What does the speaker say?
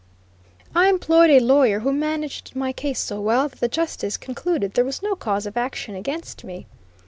I employed a lawyer who managed my case so well that the justice concluded there was no cause of action against me.